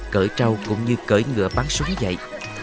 cởi trâu cũng như cởi ngựa bắn súng vậy